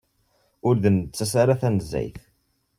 Ur d-nettas ara tanezzayt.